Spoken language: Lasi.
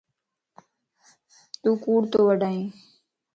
تون ڪوڙ تو وڊائين